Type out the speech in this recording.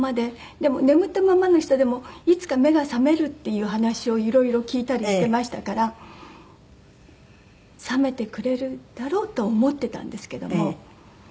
でも眠ったままの人でもいつか目が覚めるっていう話をいろいろ聞いたりしてましたから覚めてくれるだろうと思ってたんですけども。